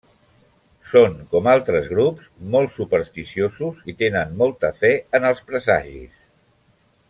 Són com altres grups, molt supersticiosos i tenen molta fe en els presagis.